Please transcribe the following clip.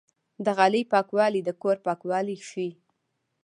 د غالۍ پاکوالی د کور پاکوالی ښيي.